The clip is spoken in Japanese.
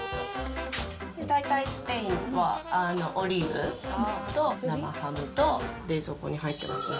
大体スペインはオリーブと生ハムと、冷蔵庫に入ってますね。